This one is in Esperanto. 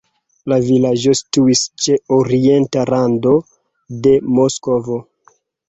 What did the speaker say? La vilaĝo situis ĉe orienta rando de Moskvo.